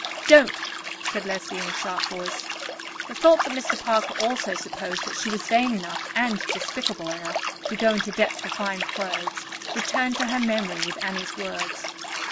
"Don't," said Leslie in a sharp voice. The thought that Mr. Parker also supposed that she was vain enough and despicable enough to go into debt for fine clothes returned to her memory with Annie's words.